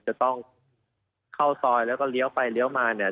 จะต้องเข้าซอยแล้วก็เลี้ยวไปเลี้ยวมาเนี่ย